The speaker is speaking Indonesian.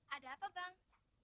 ada apa bang